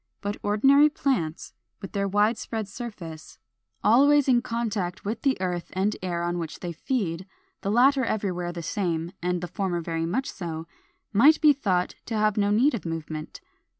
But ordinary plants, with their wide spread surface, always in contact with the earth and air on which they feed, the latter everywhere the same, and the former very much so, might be thought to have no need of movement.